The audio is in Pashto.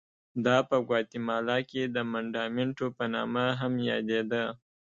دا په ګواتیمالا کې د منډامینټو په نامه هم یادېده.